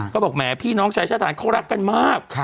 ก็บอกแหมพี่น้องชายชาติฐานเขารักกันมาก